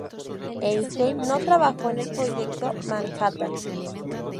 Einstein no trabajó en el Proyecto Manhattan.